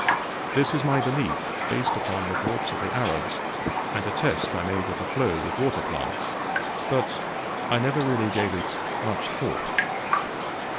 This is my belief, based upon reports of the Arabs, and a test I made of the flow with water plants. But I really never gave it much thought."